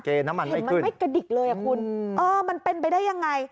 เห็นมันไม่กระดิกเลยคุณมันเป็นไปได้ยังไง